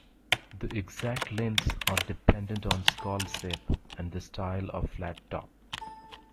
The exact lengths are dependent on skull shape and the style of flat top.